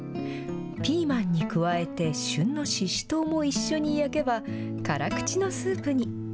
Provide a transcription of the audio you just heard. ピーマンに加えて、旬のししとうも一緒に焼けば、辛口のスープに。